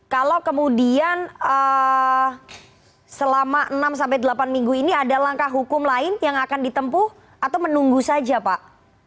kalau kemudian selama enam sampai delapan minggu ini ada langkah hukum lain yang akan ditempuh atau menunggu saja pak